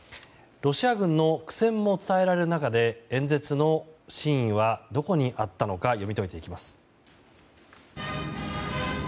ロシア軍の苦戦も伝えられる中で演説の真意はどこにあったのか読み解いていきます。